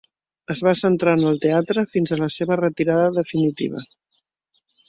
Es va centrar en el teatre, fins a la seva retirada definitiva.